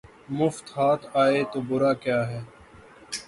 مفت ہاتھ آئے تو برا کیا ہے